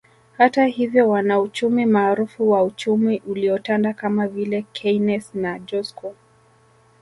Hata hivyo wanauchumi maarufu wa uchumi uliotanda kama vile Keynes na Joskow